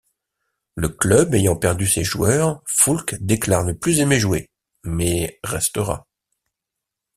Le club ayant perdu ses joueurs, Foulkes déclare ne plus aimer jouer, mais restera.